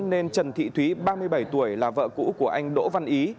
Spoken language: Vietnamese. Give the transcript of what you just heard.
nên trần thị thúy ba mươi bảy tuổi là vợ cũ của anh đỗ văn ý